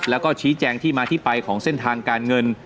แล้วก็ชี้แจงที่มาที่ไปของเส้นทางการเงิน